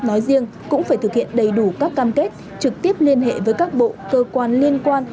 nói riêng cũng phải thực hiện đầy đủ các cam kết trực tiếp liên hệ với các bộ cơ quan liên quan